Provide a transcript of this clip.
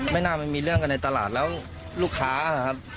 ไม่น่ามันมีเรื่องกันในตลาดแล้วลูกค้านะครับ